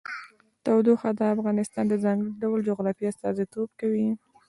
تودوخه د افغانستان د ځانګړي ډول جغرافیه استازیتوب کوي.